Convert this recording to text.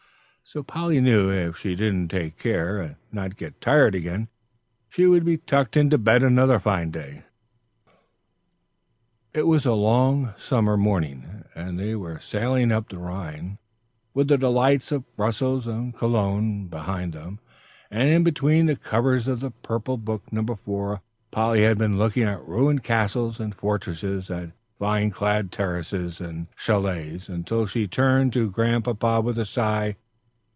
So Polly knew if she didn't take care and not get tired again, she would be tucked into bed another fine day. It was a long summer morning, and they were sailing up the Rhine, with the delights of Brussels and Cologne behind them, and in between the covers of the purple book, No. 4, Polly had been looking at ruined castles and fortresses, at vine clad terraces, and châlets, until she turned to Grandpapa with a sigh.